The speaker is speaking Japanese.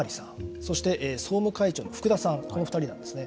そして、総務会長の福田さんこの２人なんですね。